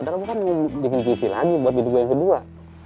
udahlah bukan bikin puisi lagi buat bidik gue yang kedua